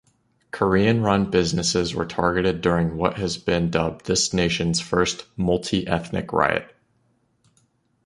Korean-run businesses were targeted during what has been dubbed this nation's first multiethnic riot.